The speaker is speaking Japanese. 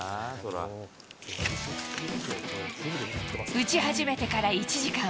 打ち始めてから１時間。